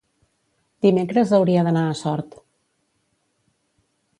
dimecres hauria d'anar a Sort.